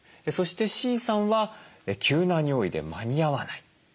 そしてＣさんは急な尿意で間に合わない。